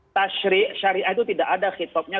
tashrik syariah itu tidak ada kitabnya